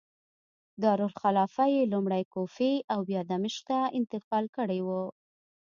دارالخلافه یې لومړی کوفې او بیا دمشق ته انتقال کړې وه.